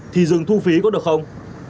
thì dừng thu phí có được không